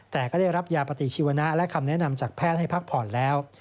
แต่ก็ได้รับยาปฏิชีวนะและคำแนะนำจากแพทย์ให้พักผ่อนแล้ว